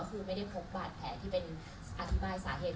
คือไม่ได้พบบาดแผลที่เป็นอธิบายสาเหตุ